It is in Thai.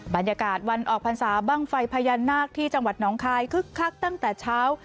บรรยากาศวันออกพรรษาบ้างไฟพญานาคที่จังหวัดน้องคายคึกคักตั้งแต่เช้า